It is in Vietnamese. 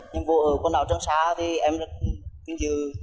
nhiệm vụ ở quần đảo trường sa thì em rất vinh dự